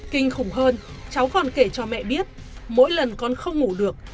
kinh khủng hơn cháu còn kể cho mẹ biết mỗi lần con không ngủ được